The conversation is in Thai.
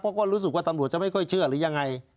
เพราะก็รู้สึกว่าตำรวจจะไม่ค่อยเชื่อหรือยังไง